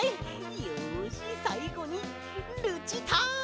よしさいごにルチタン！